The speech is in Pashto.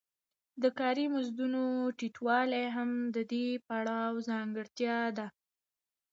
د کاري مزدونو ټیټوالی هم د دې پړاو ځانګړتیا ده